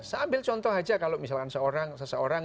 saya ambil contoh aja kalau misalkan seseorang